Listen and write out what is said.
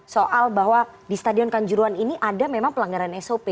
soal bahwa di stadion kanjuruan ini ada memang pelanggaran sop